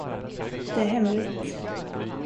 Det är hemligt.